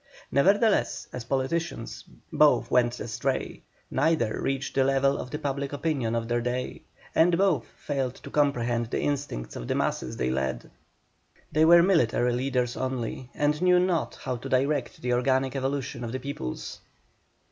Nevertheless, as politicians both went astray; neither reached the level of the public opinion of their day, and both failed to comprehend the instincts of the masses they led. They were military leaders only, and knew not how to direct the organic evolution of the peoples.